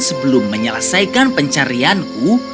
sebelum menyelesaikan pencarianku